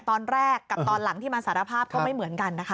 ตอนแรกกับตอนหลังที่มาสารภาพก็ไม่เหมือนกันนะคะ